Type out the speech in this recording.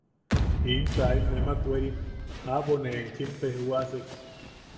–¡In saim, nemak werim! aʼabo ne enchim tejwasek.